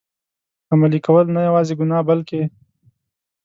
عملي کول، نه یوازي ګناه بلکه.